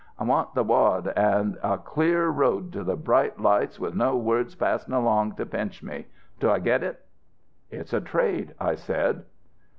I want the wad an' a clear road to the bright lights with no word passed along to pinch me. Do I git it?' "'It's a trade!" I said.